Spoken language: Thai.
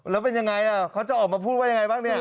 แล้วเป็นยังไงนะเขาจะออกมาพูดว่า